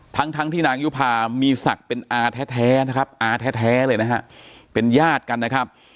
ทั้งที่นางยุภามีศักดิ์เป็นอาแท้นะครับเป็นญาติกันนะครับ